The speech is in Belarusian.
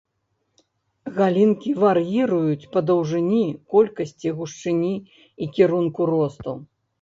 Галінкі вар'іруюць па даўжыні, колькасці, гушчыні і кірунку росту.